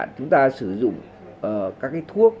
chúng ta sử dụng các cái thuốc